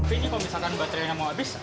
ini kalau misalkan baterai yang mau habis